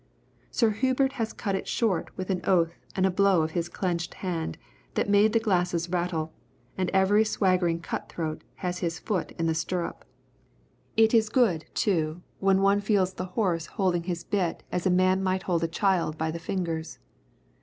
Sir Hubert has cut it short with an oath and a blow of his clenched hand that made the glasses rattle, and every swaggering cutthroat has his foot in the stirrup. It is good, too, when one feels the horse holding his bit as a man might hold a child by the fingers.